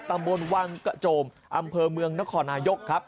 ตำบลวังกระโจมอำเภอเมืองนครนายกครับ